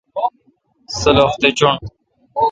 سلُخ تہ چُݨ۔